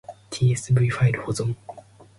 tsv ファイル保存